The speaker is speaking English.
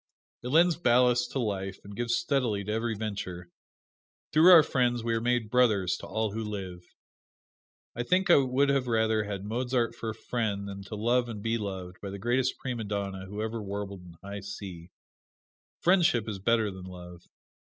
It lends ballast to life, and gives steadily to every venture. Through our friends we are made brothers to all who live. I think I would rather have had Mozart for a friend than to love and be loved by the greatest prima donna who ever warbled in high C. Friendship is better than love.